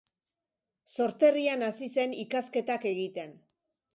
Sorterrian hasi zen ikasketak egiten.